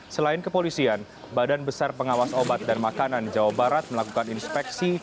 selain kepolisian badan besar pengawas obat dan makanan jawa barat melakukan inspeksi